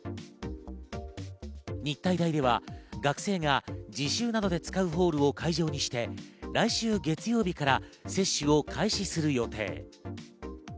日体大では学生が実習などで使うホールを会場にして来週月曜日から接種を開始する予定。